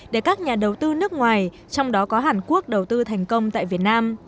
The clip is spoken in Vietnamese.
để các nhà đầu tư nước ngoài trong đó có hàn quốc đầu tư thành công tại việt nam